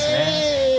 え！